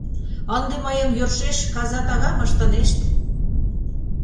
Ынде мыйым йӧршеш каза тагам ыштынешт!..